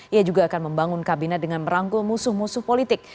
ia juga akan membangun kabinet dengan merangkul musuh musuh politik